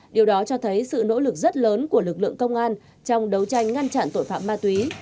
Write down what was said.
điều đó cho thấy sự nỗ lực rất lớn của lực lượng công an trong đấu tranh ngăn chặn tội phạm ma túy